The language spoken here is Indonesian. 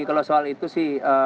kalau soal itu sih